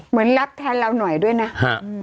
เหมือนรับแทนเราหน่อยด้วยนะ